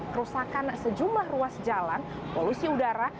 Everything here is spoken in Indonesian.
kerusakan sejumlah ruas jalan polusi udara